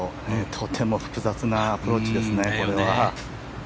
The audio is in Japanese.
とても複雑なアプローチですね、これは。